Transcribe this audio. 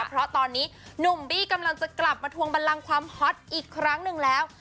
เพราะตอนนี้หนุ่มบี้กำลังจะกลับมาทวงบันลังความฮอตอีกครั้งหนึ่งแล้ว